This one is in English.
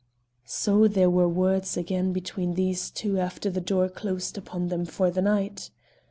So there were words again between these two after the door closed upon them for the night!